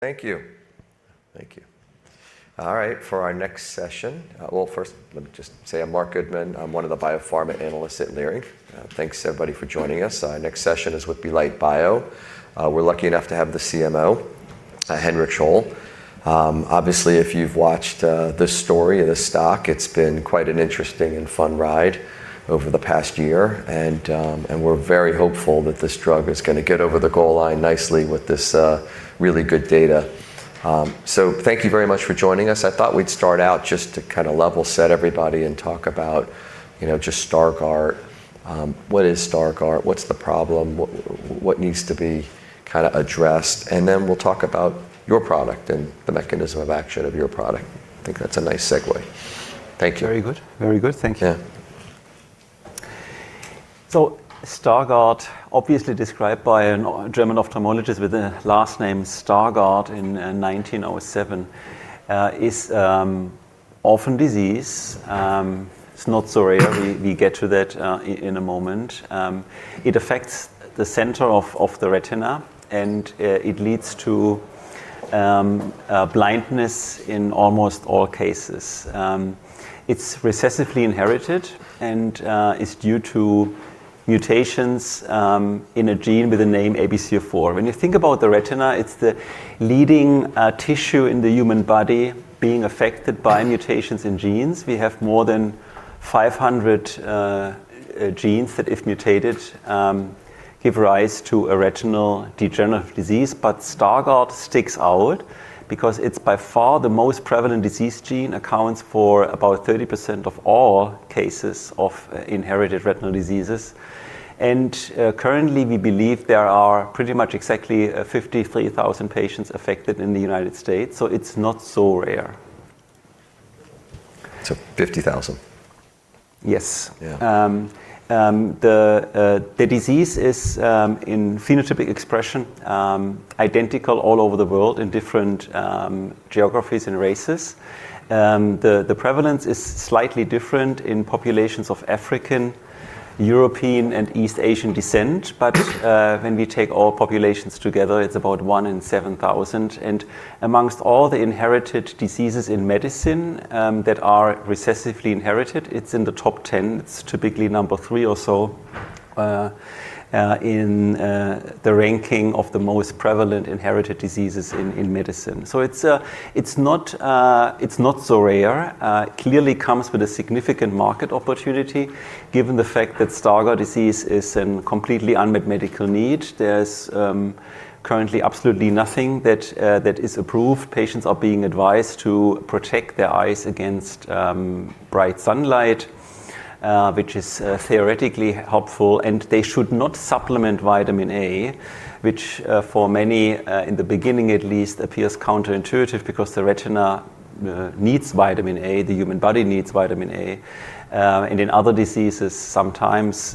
Thank you. Thank you. All right, for our next session. Well, first, let me just say I'm Marc Goodman. I'm one of the biopharma analysts at Leerink. Thanks everybody for joining us. Our next session is with Belite Bio. We're lucky enough to have the CMO, Hendrik Scholl. Obviously, if you've watched the story of this stock, it's been quite an interesting and fun ride over the past year, and we're very hopeful that this drug is gonna get over the goal line nicely with this really good data. Thank you very much for joining us. I thought we'd start out just to kinda level set everybody and talk about, you know, just Stargardt, what is Stargardt? What's the problem? What needs to be kinda addressed? We'll talk about your product and the mechanism of action of your product. I think that's a nice segue. Thank you. Very good. Very good. Thank you. Yeah. Stargardt, obviously described by a German ophthalmologist with the last name Stargardt in 1907, is orphan disease. It's not so rare. We get to that in a moment. It affects the center of the retina, and it leads to blindness in almost all cases. It's recessively inherited and is due to mutations in a gene with the name ABCA4. When you think about the retina, it's the leading tissue in the human body being affected by mutations in genes. We have more than 500 genes that, if mutated, give rise to a retinal degenerative disease. Stargardt sticks out because it's by far the most prevalent disease gene, accounts for about 30% of all cases of inherited retinal diseases. Currently, we believe there are pretty much exactly, 53,000 patients affected in the United States. It's not so rare. $50,000? Yes. Yeah. The disease is in phenotypic expression identical all over the world in different geographies and races. The prevalence is slightly different in populations of African, European, and East Asian descent, but when we take all populations together, it's about 1 in 7,000. Amongst all the inherited diseases in medicine that are recessively inherited, it's in the top 10. It's typically number three or so in the ranking of the most prevalent inherited diseases in medicine. It's not so rare. Clearly comes with a significant market opportunity given the fact that Stargardt disease is an completely unmet medical need. There's currently absolutely nothing that is approved. Patients are being advised to protect their eyes against bright sunlight, which is theoretically helpful. They should not supplement vitamin A, which, for many, in the beginning at least, appears counterintuitive because the retina needs vitamin A. The human body needs vitamin A. In other diseases, sometimes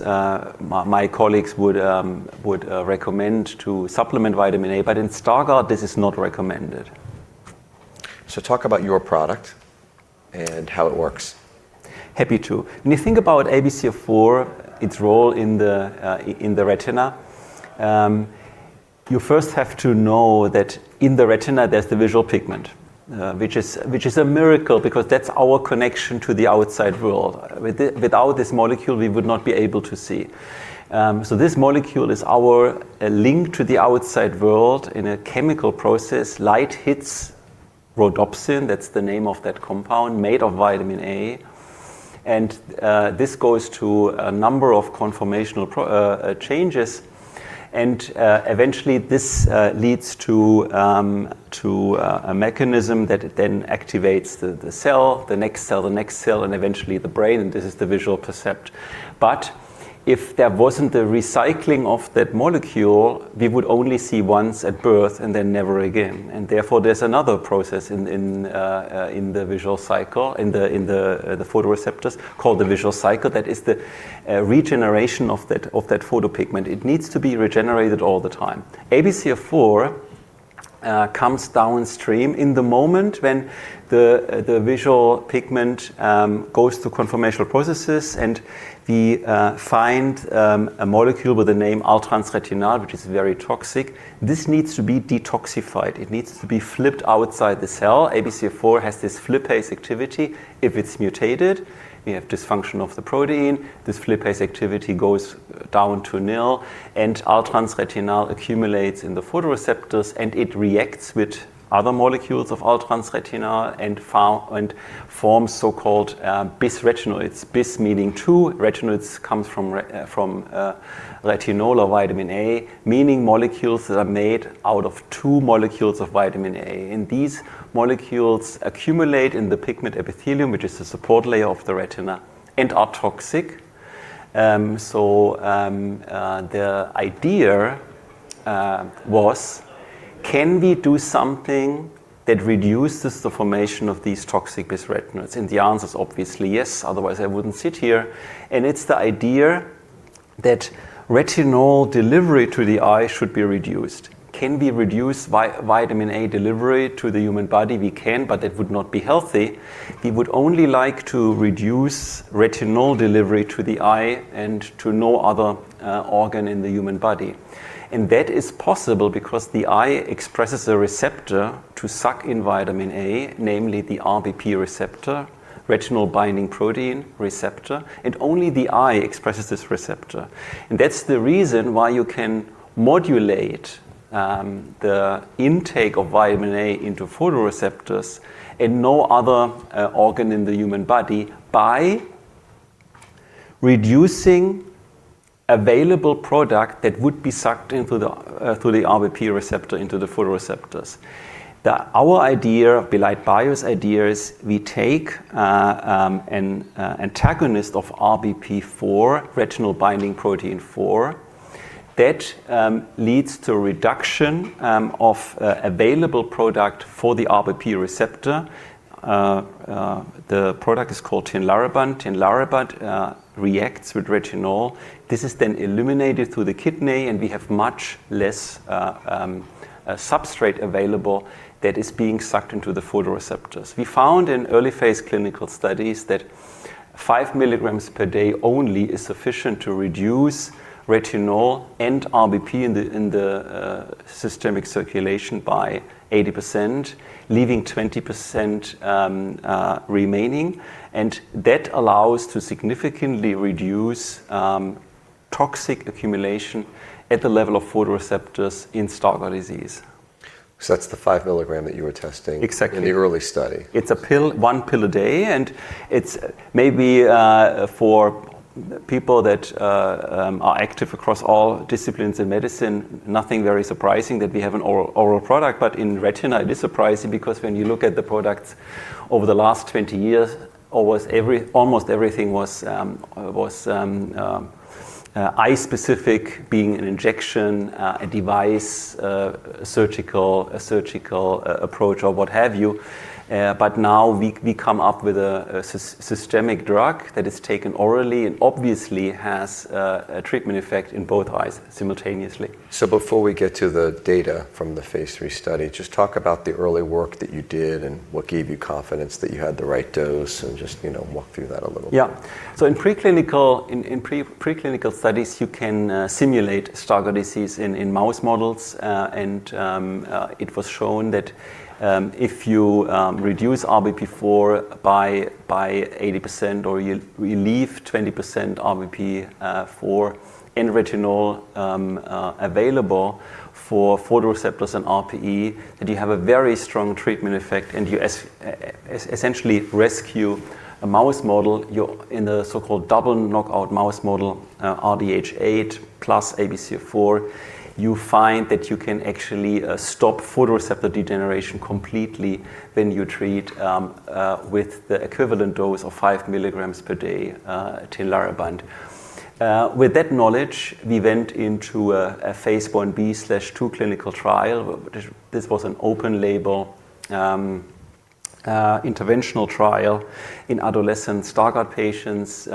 my colleagues would recommend to supplement vitamin A. In Stargardt, this is not recommended. Talk about your product and how it works. Happy to. When you think about ABCA4, its role in the retina, you first have to know that in the retina there's the visual pigment, which is a miracle because that's our connection to the outside world. Without this molecule, we would not be able to see. This molecule is our link to the outside world in a chemical process. Light hits rhodopsin, that's the name of that compound made of vitamin A, and this goes through a number of conformational changes, and eventually this leads to a mechanism that then activates the cell, the next cell, the next cell, and eventually the brain, and this is the visual percept. If there wasn't the recycling of that molecule, we would only see once at birth and then never again, and therefore there's another process in the visual cycle, in the, in the photoreceptors called the visual cycle. That is the regeneration of that, of that photopigment. It needs to be regenerated all the time. ABCA4 comes downstream in the moment when the visual pigment goes through conformational processes and we find a molecule with the name all-trans retinal, which is very toxic. This needs to be detoxified. It needs to be flipped outside the cell. ABCA4 has this flippase activity. If it's mutated, we have dysfunction of the protein. This flippase activity goes down to nil, and all-trans-retinal accumulates in the photoreceptors, and it reacts with other molecules of all-trans-retinal and forms so-called bisretinal. Bis meaning two. Retinal comes from retinol or vitamin A, meaning molecules that are made out of two molecules of vitamin A. These molecules accumulate in the pigment epithelium, which is the support layer of the retina, and are toxic. The idea was can we do something that reduces the formation of these toxic bisretinals? The answer is obviously yes. Otherwise, I wouldn't sit here. It's the idea that retinal delivery to the eye should be reduced. Can we reduce vitamin A delivery to the human body? We can, but that would not be healthy. We would only like to reduce retinal delivery to the eye and to no other organ in the human body. That is possible because the eye expresses a receptor to suck in vitamin A, namely the RBP receptor, retinol binding protein receptor, and only the eye expresses this receptor. That's the reason why you can modulate the intake of vitamin A into photoreceptors and no other organ in the human body by reducing available product that would be sucked in through the RBP receptor into the photoreceptors. Our idea, Belite Bio's idea is we take an antagonist of RBP4, retinol binding protein four, that leads to reduction of available product for the RBP receptor. The product is called Tinlarebant. Tinlarebant reacts with retinol. This is then eliminated through the kidney. We have much less substrate available that is being sucked into the photoreceptors. We found in early phase clinical studies that 5 mg per day only is sufficient to reduce retinol and RBP in the systemic circulation by 80%, leaving 20% remaining. That allows to significantly reduce toxic accumulation at the level of photoreceptors in Stargardt disease. That's the 5 mg that you were testing. Exactly in the early study. It's a pill, one pill a day. It's maybe, for people that are active across all disciplines in medicine, nothing very surprising that we have an oral product. In retina, it is surprising because when you look at the products over the last 20 years, almost everything was eye-specific, being an injection, a device, a surgical approach or what have you. Now we come up with a systemic drug that is taken orally and obviously has a treatment effect in both eyes simultaneously. Before we get to the data from the phase III study, just talk about the early work that you did and what gave you confidence that you had the right dose and just, you know, walk through that a little. In preclinical, in pre-preclinical studies, you can simulate Stargardt disease in mouse models, and it was shown that if you reduce RBP4 by 80% or you leave 20% RBP for retinol available for photoreceptors and RPE, that you have a very strong treatment effect, and you essentially rescue a mouse model. You're in a so-called double knockout mouse model, RDH8 plus ABCA4. You find that you can actually stop photoreceptor degeneration completely when you treat with the equivalent dose of 5 mg per day, Tinlarebant. With that knowledge, we went into a phase I-B/II clinical trial. This was an open label interventional trial in adolescent Stargardt patients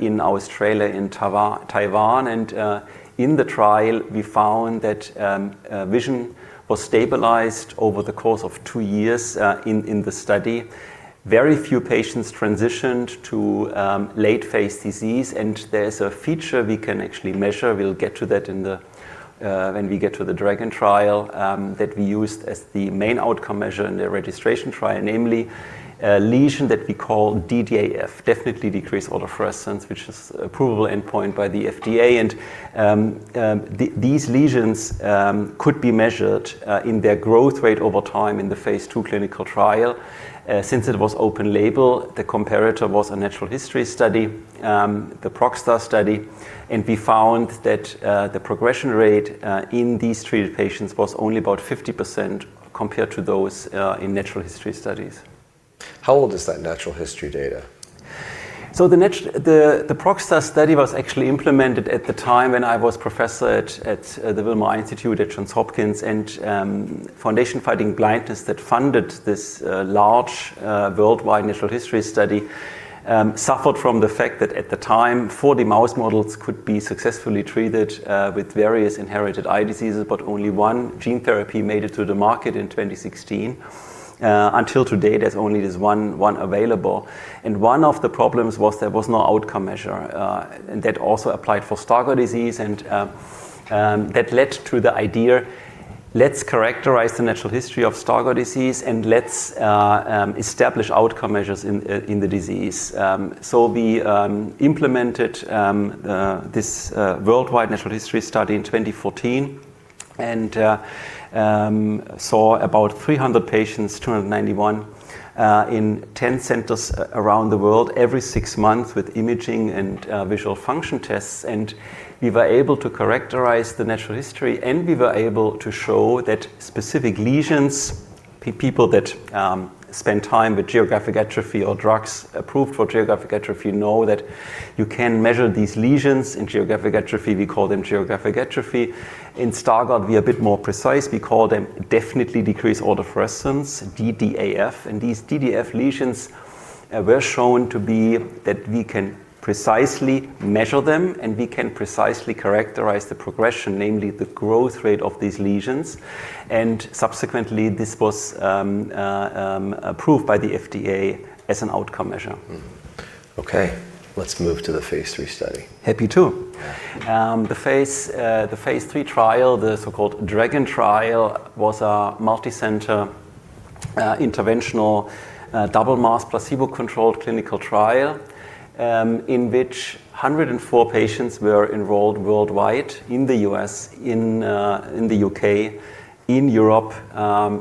in our trial in Taiwan. In the trial, we found that vision was stabilized over the course of two years in the study. Very few patients transitioned to late phase disease, and there's a feature we can actually measure. We'll get to that when we get to the DRAGON trial that we used as the main outcome measure in the registration trial, namely a lesion that we call DDAF, definitely decreased autofluorescence, which is approvable endpoint by the FDA. These lesions could be measured in their growth rate over time in the phase II clinical trial. Since it was open label, the comparator was a natural history study, the ProgStar study, and we found that the progression rate in these treated patients was only about 50% compared to those in natural history studies. How old is that natural history data? The, the ProgStar study was actually implemented at the time when I was professor at, the Wilmer Eye Institute at Johns Hopkins. Foundation Fighting Blindness that funded this large worldwide natural history study suffered from the fact that at the time, 40 mouse models could be successfully treated with various inherited eye diseases, but only one gene therapy made it to the market in 2016. Until to date, there's only this one available. One of the problems was there was no outcome measure. That also applied for Stargardt disease, and that led to the idea, let's characterize the natural history of Stargardt disease, and let's establish outcome measures in the disease. We implemented this worldwide natural history study in 2014 and saw about 300 patients, 291, in 10 centers around the world every six months with imaging and visual function tests. We were able to characterize the natural history, and we were able to show that specific lesions, people that spend time with geographic atrophy or drugs approved for geographic atrophy know that you can measure these lesions in geographic atrophy. We call them geographic atrophy. In Stargardt, we are a bit more precise. We call them definitely decreased autofluorescence, DDAF. These DDAF lesions were shown to be that we can precisely measure them, and we can precisely characterize the progression, namely the growth rate of these lesions. subsequently, this was approved by the FDA as an outcome measure. Okay, let's move to the phase III study. Happy to. The phase III trial, the so-called DRAGON trial, was a multicenter, interventional, double-masked placebo-controlled clinical trial, in which 104 patients were enrolled worldwide in the U.S., in the U.K., in Europe,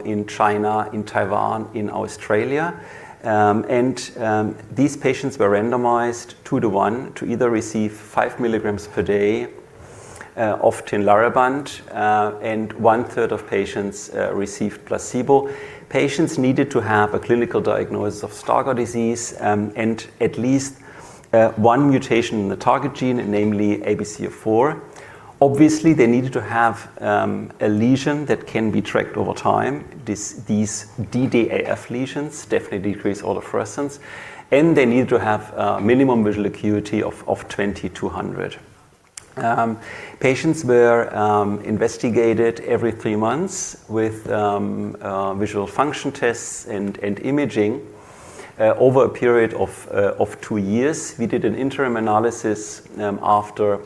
in China, in Taiwan, in Australia. These patients were randomized 2-1 to either receive 5 mg per day of Tinlarebant, and one-third of patients received placebo. Patients needed to have a clinical diagnosis of Stargardt disease, and at least 1 mutation in the target gene, namely ABCA4. Obviously, they needed to have a lesion that can be tracked over time, these DDAF lesions, definitely decreased autofluorescence, and they needed to have minimum visual acuity of 20 to 100. Patients were investigated every 3 months with visual function tests and imaging over a period of two years. We did an interim analysis after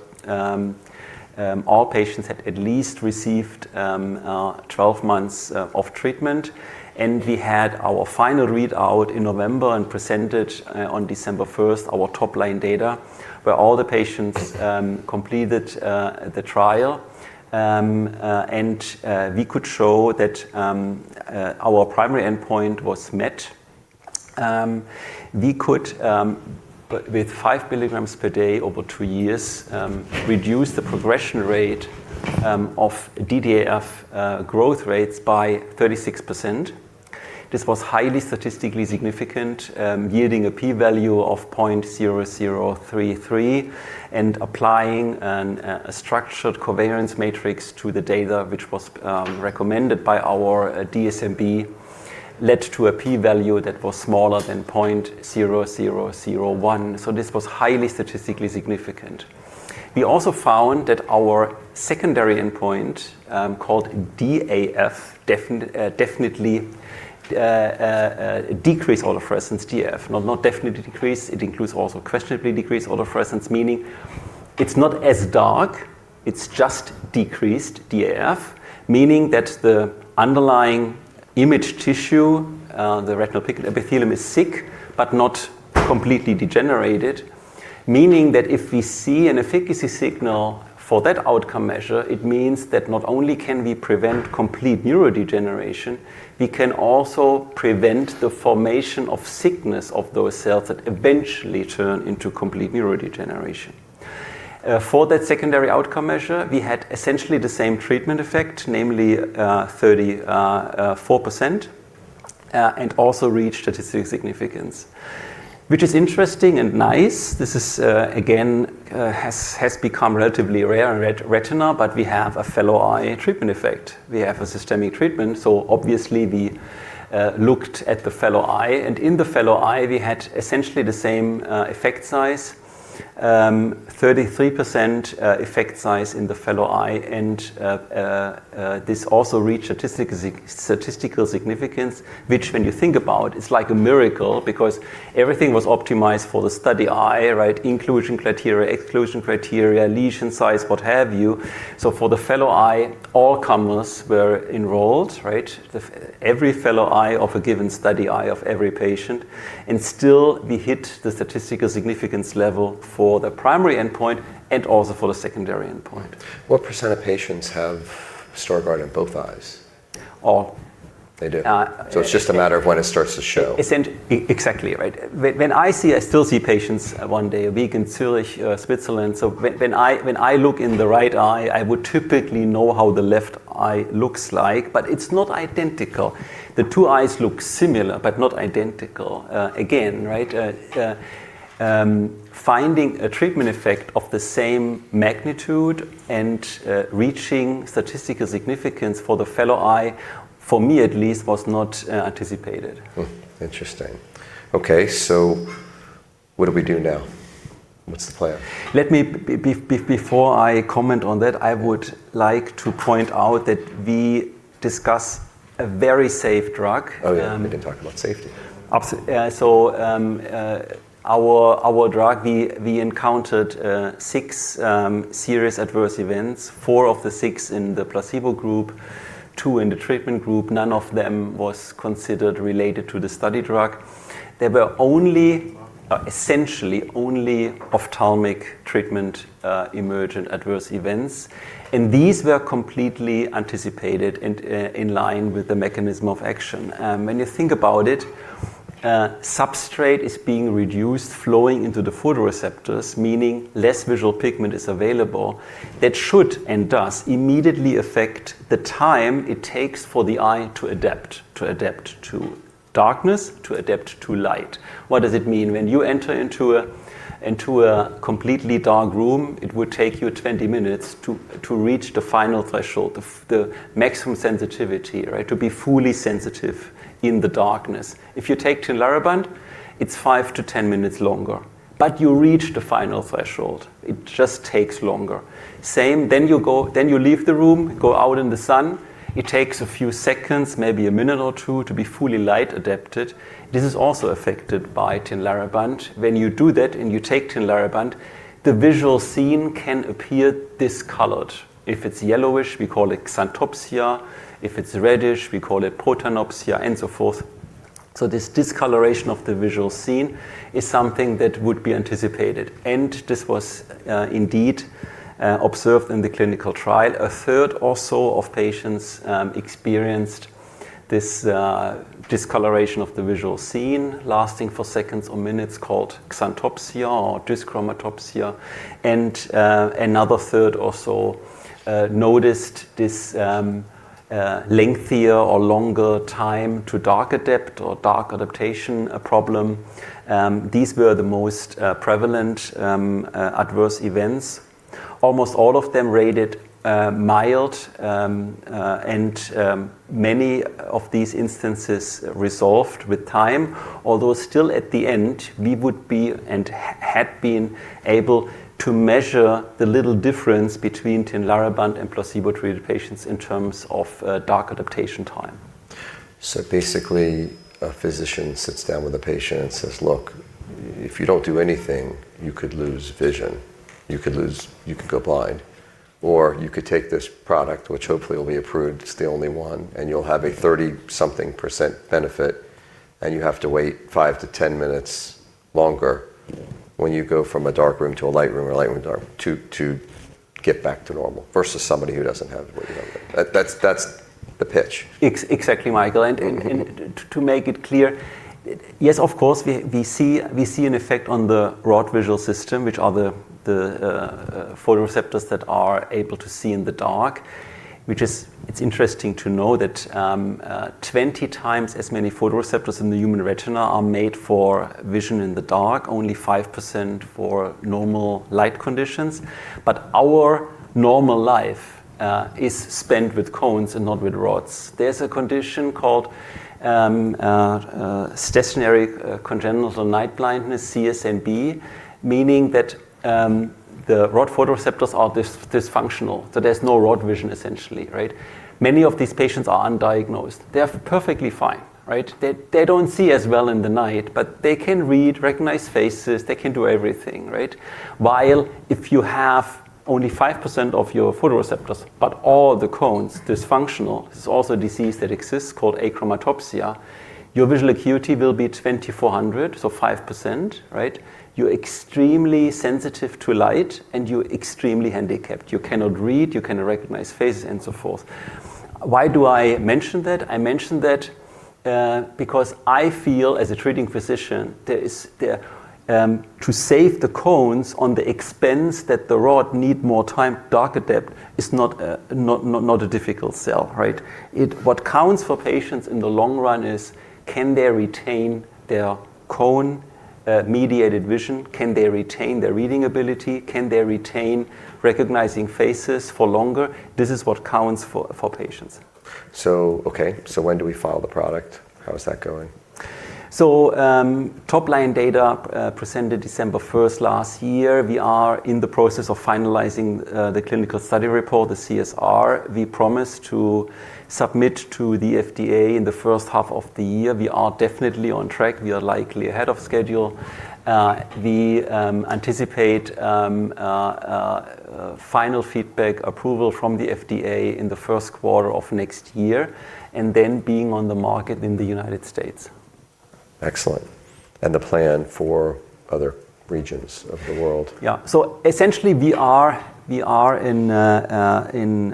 all patients had at least received 12 months of treatment. We had our final readout in November and presented on December 1st our top line data, where all the patients completed the trial. We could show that our primary endpoint was met. We could with 5 mg per day over two years reduce the progression rate of DDAF growth rates by 36%. This was highly statistically significant, yielding a P value of 0.0033, applying a structured covariance matrix to the data, which was recommended by our DSMB, led to a P value that was smaller than 0.0001. This was highly statistically significant. We also found that our secondary endpoint, called DAF, definitely decrease autofluorescence, DAF. Not definitely decrease, it includes also questionably decreased autofluorescence, meaning it's not as dark, it's just decreased DAF, meaning that the underlying image tissue, the retinal epithelium, is sick but not completely degenerated. Meaning that if we see an efficacy signal for that outcome measure, it means that not only can we prevent complete neurodegeneration, we can also prevent the formation of sickness of those cells that eventually turn into complete neurodegeneration. For that secondary outcome measure, we had essentially the same treatment effect, namely, 34%, and also reached statistical significance, which is interesting and nice. This is again, has become relatively rare in retina, but we have a fellow eye treatment effect. We have a systemic treatment, so obviously we looked at the fellow eye, and in the fellow eye, we had essentially the same effect size. 33% effect size in the fellow eye. This also reached statistical significance, which when you think about it's like a miracle because everything was optimized for the study eye, right? Inclusion criteria, exclusion criteria, lesion size, what have you. For the fellow eye, all comers were enrolled, right? Every fellow eye of a given study eye of every patient. Still we hit the statistical significance level for the primary endpoint and also for the secondary endpoint. What % of patients have Stargardt in both eyes? All. They do. Uh, e- It's just a matter of when it starts to show. Exactly right. When I see... I still see patients one day a week in Zürich, Switzerland. When I look in the right eye, I would typically know how the left eye looks like, but it's not identical. The two eyes look similar, but not identical. Again, right, finding a treatment effect of the same magnitude and reaching statistical significance for the fellow eye, for me at least, was not anticipated. Hmm. Interesting. Okay, so what do we do now? What's the plan? Let me before I comment on that, I would like to point out that we discuss a very safe drug. Oh yeah, we didn't talk about safety. Yeah, our drug, we encountered six serious adverse events. Four of the six in the placebo group, two in the treatment group. None of them was considered related to the study drug. There were only essentially only ophthalmic treatment emergent adverse events, and these were completely anticipated and in line with the mechanism of action. When you think about it, substrate is being reduced flowing into the photoreceptors, meaning less visual pigment is available. That should, and does, immediately affect the time it takes for the eye to adapt to darkness, to adapt to light. What does it mean? When you enter into a completely dark room, it would take you 20 minutes to reach the final threshold of the maximum sensitivity, right? To be fully sensitive in the darkness. If you take Tinlarebant, it's 5-10 minutes longer. You reach the final threshold. It just takes longer. You leave the room, go out in the sun. It takes a few seconds, maybe one or two minutes, to be fully light adapted. This is also affected by Tinlarebant. When you do that, and you take Tinlarebant, the visual scene can appear discolored. If it's yellowish, we call it xanthopsia. If it's reddish, we call it protanopia, and so forth. This discoloration of the visual scene is something that would be anticipated, and this was indeed observed in the clinical trial. A third or so of patients experienced this discoloration of the visual scene lasting for seconds or minutes called xanthopsia or dyschromatopsia. Another third also noticed this lengthier or longer time to dark adapt or dark adaptation problem. These were the most prevalent adverse events. Almost all of them rated mild, and many of these instances resolved with time. Although still at the end, we had been able to measure the little difference between Tinlarebant and placebo-treated patients in terms of dark adaptation time. Basically, a physician sits down with a patient and says, "Look, if you don't do anything, you could lose vision. You could go blind, or you could take this product, which hopefully will be approved. It's the only one, and you'll have a 30 something% benefit, and you have to wait 5 to 10 minutes longer when you go from a dark room to a light room or a light room to get back to normal versus somebody who doesn't have the. That's the pitch. Exactly, Marc. To make it clear, yes, of course, we see an effect on the rod visual system, which are the photoreceptors that are able to see in the dark, it's interesting to know that 20x as many photoreceptors in the human retina are made for vision in the dark, only 5% for normal light conditions. Our normal life is spent with cones and not with rods. There's a condition called stationary congenital night blindness, CSNB, meaning that the rod photoreceptors are dysfunctional. There's no rod vision essentially, right? Many of these patients are undiagnosed. They are perfectly fine, right? They don't see as well in the night, they can read, recognize faces. They can do everything, right? While if you have only 5% of your photoreceptors, but all the cones dysfunctional, this is also a disease that exists called achromatopsia, your visual acuity will be 2,400, so 5%, right? You're extremely sensitive to light, and you're extremely handicapped. You cannot read, you cannot recognize faces, and so forth. Why do I mention that? I mention that because I feel as a treating physician, to save the cones on the expense that the rod need more time dark adapt is not a difficult sell, right? What counts for patients in the long run is can they retain their cone mediated vision? Can they retain their reading ability? Can they retain recognizing faces for longer? This is what counts for patients. Okay. When do we file the product? How is that going? Top line data presented December 1st last year. We are in the process of finalizing the clinical study report, the CSR. We promised to submit to the FDA in the 1st half of the year. We are definitely on track. We are likely ahead of schedule. We anticipate final feedback approval from the FDA in the 1st quarter of next year, and then being on the market in the United States. Excellent. The plan for other regions of the world? Essentially, we are in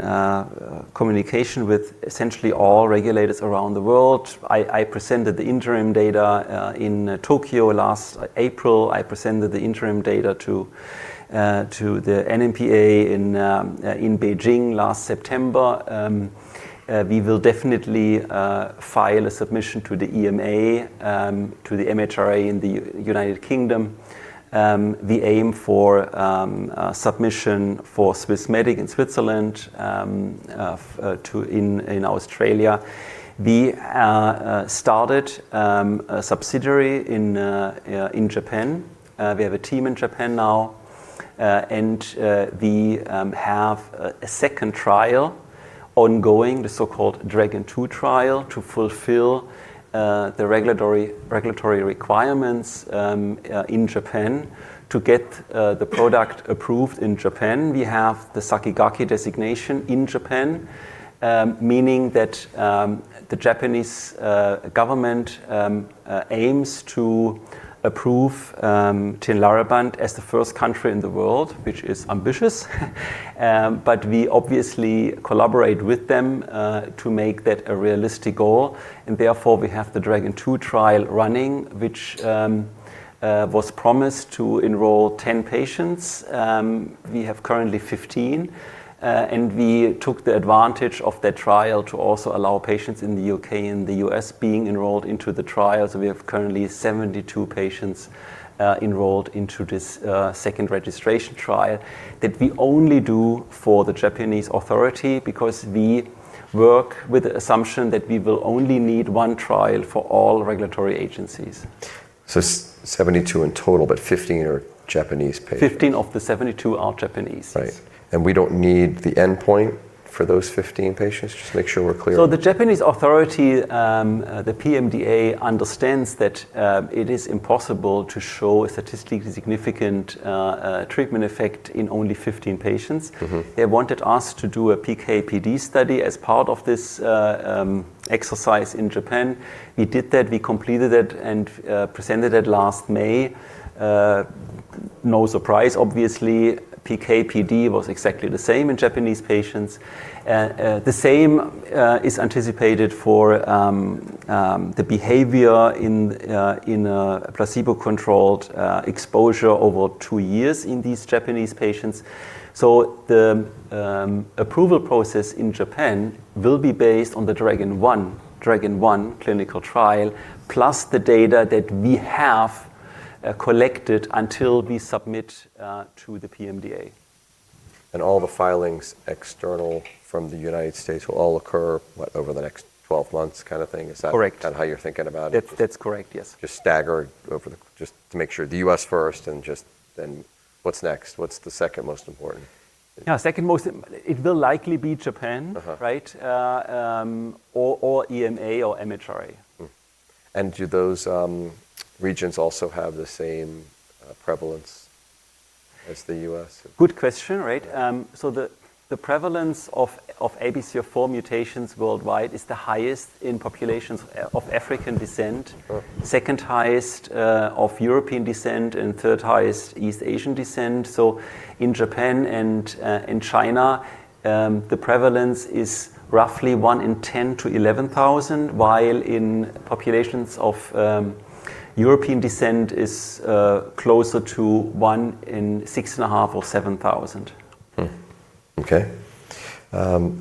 communication with essentially all regulators around the world. I presented the interim data in Tokyo last April. I presented the interim data to the NMPA in Beijing last September. We will definitely file a submission to the EMA, to the MHRA in the United Kingdom. We aim for submission for Swissmedic in Switzerland, to in Australia. We started a subsidiary in Japan. We have a team in Japan now, and we have a second trial ongoing, the so-called DRAGON II trial, to fulfill the regulatory requirements in Japan to get the product approved in Japan. We have the Sakigake designation in Japan, meaning that the Japanese government aims to approve Tinlarebant as the first country in the world, which is ambitious. We obviously collaborate with them to make that a realistic goal. Therefore, we have the DRAGON II trial running, which was promised to enroll 10 patients. We have currently 15, and we took the advantage of that trial to also allow patients in the U.K. and the U.S. being enrolled into the trial. We have currently 72 patients enrolled into this second registration trial that we only do for the Japanese authority because Work with the assumption that we will only need one trial for all regulatory agencies. 72 in total, but 15 are Japanese patients. 15 of the 72 are Japanese. Right. We don't need the endpoint for those 15 patients? Just to make sure we're clear. The Japanese authority, the PMDA, understands that it is impossible to show a statistically significant treatment effect in only 15 patients. Mm-hmm. They wanted us to do a PK/PD study as part of this exercise in Japan. We did that. We completed it and presented it last May. No surprise, obviously, PK/PD was exactly the same in Japanese patients. The same is anticipated for the behavior in placebo-controlled exposure over two years in these Japanese patients. The approval process in Japan will be based on the DRAGON I clinical trial, plus the data that we have collected until we submit to the PMDA. All the filings external from the United States will all occur, what, over the next 12 months kind of thing? Is that? Correct kind of how you're thinking about it? That's correct, yes. Just to make sure. The U.S. first and just, then what's next? What's the second most important? Yeah, second most it will likely be Japan. Uh-huh. Right? or EMA or MHRA. Do those regions also have the same prevalence as the U.S.? Good question. Right. The prevalence of ABCA4 mutations worldwide is the highest in populations of African descent. Uh. Second highest of European descent and third highest East Asian descent. In Japan and in China, the prevalence is roughly 1 in 10,000-11,000, while in populations of European descent is closer to 1 in 6,500 or 7,000. Okay.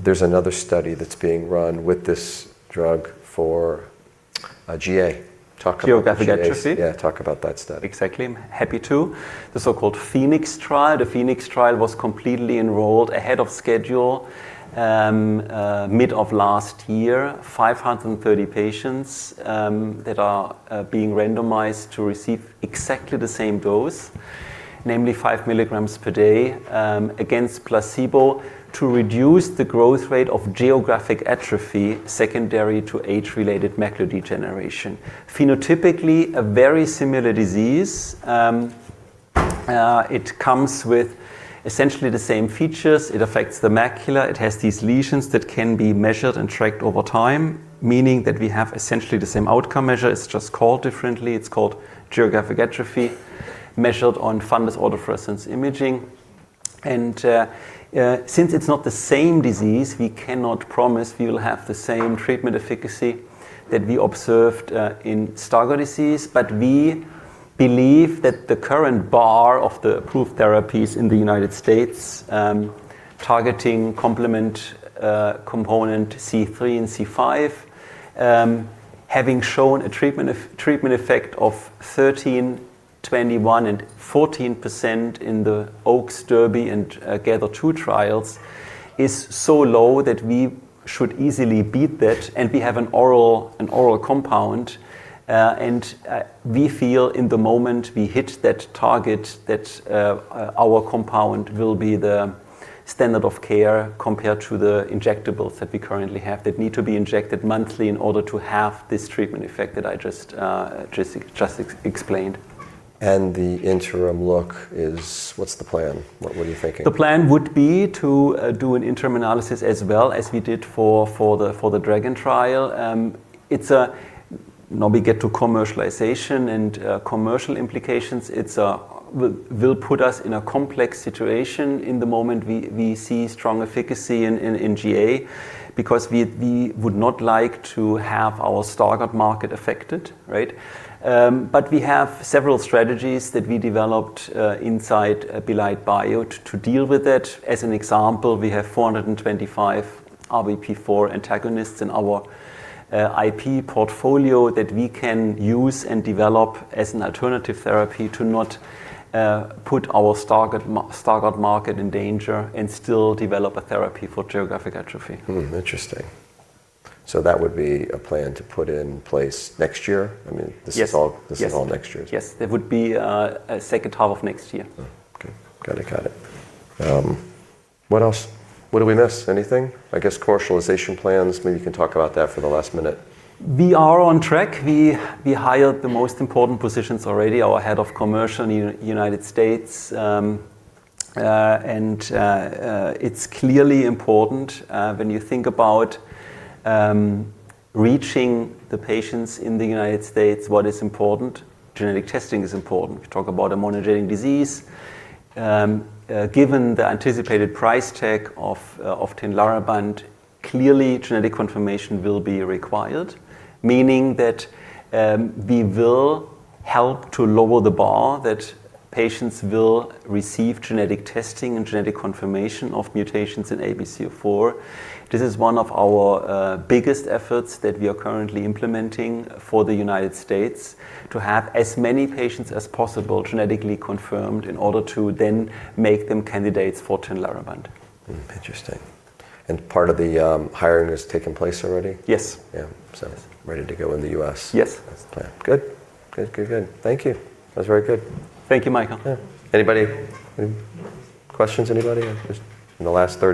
There's another study that's being run with this drug for GA. Geographic atrophy.... GAs. Yeah, talk about that study. Exactly. Happy to. The so-called PHOENIX trial. The PHOENIX trial was completely enrolled ahead of schedule, mid of last year. 530 patients that are being randomized to receive exactly the same dose, namely 5 mg per day, against placebo, to reduce the growth rate of geographic atrophy secondary to age-related macular degeneration. Phenotypically, a very similar disease. It comes with essentially the same features. It affects the macula. It has these lesions that can be measured and tracked over time, meaning that we have essentially the same outcome measure. It's just called differently. It's called geographic atrophy, measured on fundus autofluorescence imaging. Since it's not the same disease, we cannot promise we will have the same treatment efficacy that we observed in Stargardt disease, but we believe that the current bar of the approved therapies in the United States, targeting complement component C3 and C5, having shown a treatment effect of 13%, 21%, and 14% in the OAKS, DERBY, and GATHER2 trials is so low that we should easily beat that. We have an oral compound. We feel in the moment we hit that target that our compound will be the standard of care compared to the injectables that we currently have that need to be injected monthly in order to have this treatment effect that I just explained. The interim look is. What's the plan? What are you thinking? The plan would be to do an interim analysis as well as we did for the DRAGON trial. Now we get to commercialization and commercial implications. It will put us in a complex situation in the moment we see strong efficacy in GA because we would not like to have our Stargardt market affected, right? We have several strategies that we developed inside Belite Bio to deal with that. As an example, we have 425 RBP4 antagonists in our IP portfolio that we can use and develop as an alternative therapy to not put our Stargardt market in danger and still develop a therapy for geographic atrophy. Hmm. Interesting. That would be a plan to put in place next year? I mean, this is. Yes. Yes. this is all next year. Yes. That would be second half of next year. Okay. Got it. Got it. What else? What did we miss? Anything? I guess commercialization plans. Maybe you can talk about that for the last minute. We are on track. We hired the most important positions already, our head of commercial in United States. It's clearly important, when you think about reaching the patients in the United States, what is important. Genetic testing is important. We talk about a monogenic disease. Given the anticipated price tag of Tinlarebant, clearly genetic confirmation will be required, meaning that we will help to lower the bar, that patients will receive genetic testing and genetic confirmation of mutations in ABCA4. This is one of our biggest efforts that we are currently implementing for the United States to have as many patients as possible genetically confirmed in order to then make them candidates for Tinlarebant. Interesting. Part of the hiring has taken place already? Yes. Yeah. ready to go in the U.S. Yes. That's the plan. Good. Good. Good. Good. Thank you. That was very good. Thank you, Marc. Yeah. Anybody? Any questions anybody on just in the last minute?